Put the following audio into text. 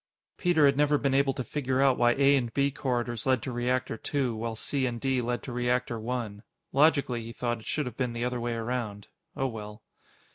(Peter had never been able to figure out why A and B corridors led to Reactor Two, while C and D led to Reactor One. Logically, he thought, it should have been the other way around. Oh, well.)